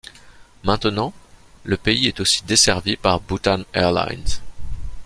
Maintenant, le pays est aussi desservi par Bhutan Airlines.